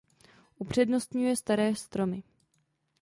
Upřednostňuje staré stromy.